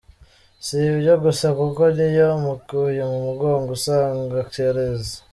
Si ibyo gusa kuko niyo umukuye mu mugongo, usanga cyareze.